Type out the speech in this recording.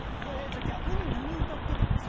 じゃあ逆に何歌ってた？